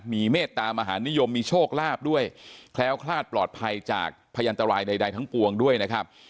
มีเมตตามหานิยมมีโชคลาภด้วยแคล้วคลาดปลอดภัยจากพยันตรายใดทั้งปวงด้วยนะครับ